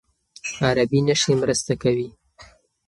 عربي نښې مرسته کوي.